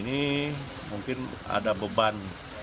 ini mungkin ada beban